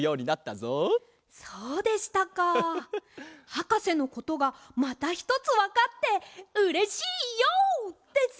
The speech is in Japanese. はかせのことがまたひとつわかってうれしいＹＯです！